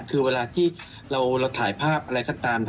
คือเวลาที่เราถ่ายภาพอะไรก็ตาม